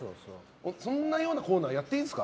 そんなコーナーやっていいんですか？